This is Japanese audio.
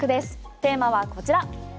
テーマはこちら。